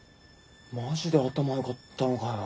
マジで頭よかったのかよ。